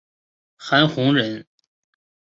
韩弘人。